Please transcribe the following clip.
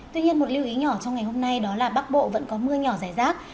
tuy nhiên một lưu ý nhỏ trong ngày hôm nay đó là bắc bộ vẫn có mưa nhỏ rải rác